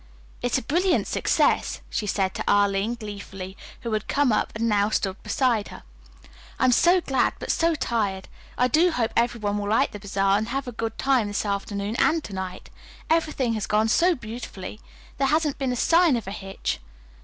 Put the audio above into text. "It is a brilliant success," she said to Arline gleefully, who had come up and now stood beside her. "I am so glad, but so tired. I do hope everyone will like the bazaar, and have a good time this afternoon and to night. Everything has gone so beautifully. There hasn't been a sign of a hitch.